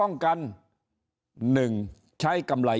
ถ้าท่านผู้ชมติดตามข่าวสาร